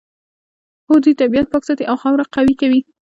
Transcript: هو دوی طبیعت پاک ساتي او خاوره قوي کوي